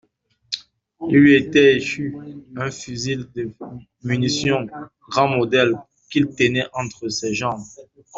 Il lui était échu un fusil de munition grand modèle, qu'il tenait entre ses jambes.